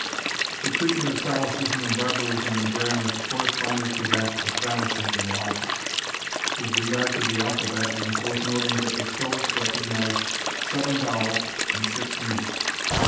The treatment of solecism and barbarism in grammar corresponded to that of fallacies in logic. With regard to the alphabet it is worth noting that the Stoics recognised seven vowels and six mutes.